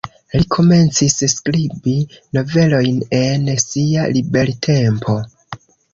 Li komencis skribi novelojn en sia libertempo.